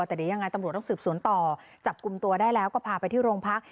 แต่เดี๋ยวยังไงตำรวจต้องสืบสวนต่อจับกลุ่มตัวได้แล้วก็พาไปที่โรงพัก